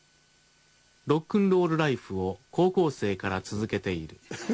ロックンロールライフを高校生から続けている。